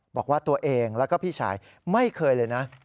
บอกว่าตัวเองแล้วก็พี่ชายไม่เคยเลยนะ